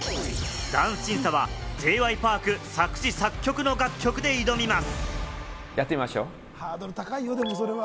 ダンス審査はＪ．Ｙ．Ｐａｒｋ作詞・作曲の楽曲で挑みます。